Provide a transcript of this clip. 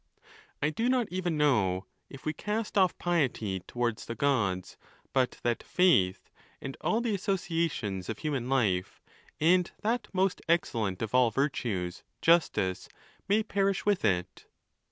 I do not even know, if we cast off piety towards the Gods, but that faith, and all the associations of human life, and that most excellent of all virtues, justice, may perish with it.